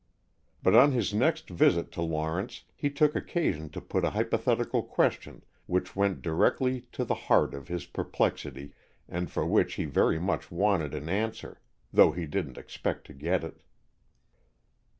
But on his next visit to Lawrence, he took occasion to put a hypothetical question which went directly to the heart of his perplexity and for which he very much wanted an answer though he didn't expect to get it.